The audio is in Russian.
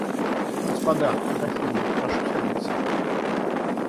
Господа, графиня, прошу садиться.